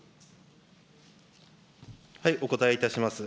お答えいたします。